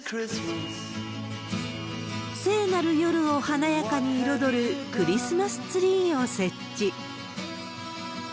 聖なる夜を華やかに彩る、クリスマスツリーを設置。